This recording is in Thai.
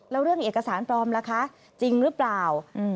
แล้วเรื่องเอกสารปลอมล่ะคะจริงหรือเปล่า